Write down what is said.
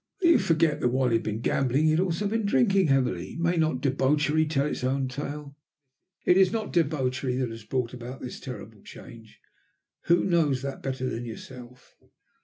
"You forget that while he had been gambling he had also been drinking heavily. May not debauchery tell its own tale?" "It is not debauchery that has brought about this terrible change. Who knows that better than yourself?